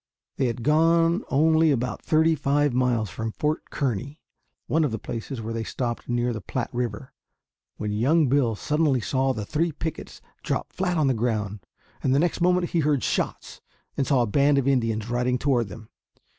They had gone only about thirty five miles from Fort Kearny, one of the places where they stopped near the Platte River, when young Bill suddenly saw the three pickets drop flat on the ground, and the next moment he heard shots and saw a band of Indians riding toward them.